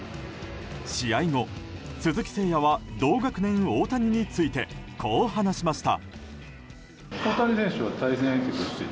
試合後、鈴木誠也は同学年・大谷についてこう話しました。